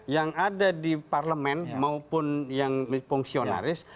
yang ada di parlemen maupun yang fungsionaris